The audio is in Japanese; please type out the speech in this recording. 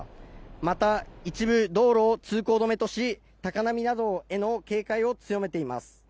また、一部道路を通行止めとし高波などへの警戒を強めています。